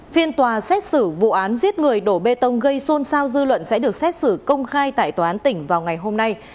phiên tòa xét xử vụ án giết người đổ bê tông gây xôn xao dư luận sẽ được xét xử công khai tại tòa án tỉnh vào ngày hôm nay